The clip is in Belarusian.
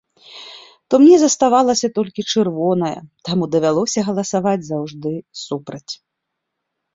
То мне заставалася толькі чырвоная, таму давялося галасаваць заўжды супраць.